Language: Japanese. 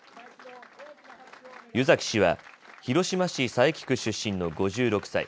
湯崎氏は広島市佐伯区出身の５６歳。